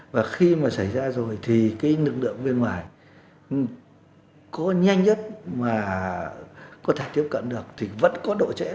và khi mà xảy ra rồi thì cái lực lượng bên ngoài có nhanh nhất mà có thể tiếp cận được thì vẫn có độ trễ